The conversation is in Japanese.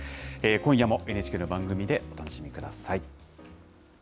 今夜もＮＨＫの番組でお楽しみください。